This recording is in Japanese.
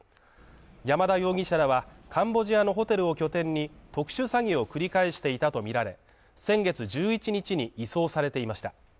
山田容疑者らはカンボジアのホテルを拠点に特殊詐欺を繰り返していたとみられ、先月１１日に移送されていました。